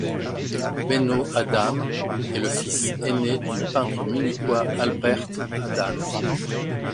Benno Adam est le fils aîné du peintre munichois Albrecht Adam.